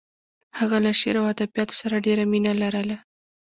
هغه له شعر او ادبیاتو سره ډېره مینه لرله